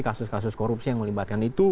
kasus kasus korupsi yang melibatkan itu